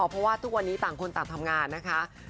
เพราะว่าทุกวันนี้ต่างคนต่างทำงานนะคะ